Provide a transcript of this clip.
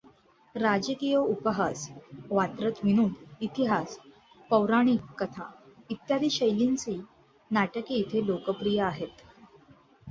राजकीय उपहास, वात्रट विनोद, इतिहास, पौराणिक कथा इत्यादी शैलींची नाटके इथे लोकप्रिय आहेत.